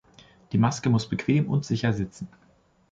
Die Maske muss bequem und sicher sitzen.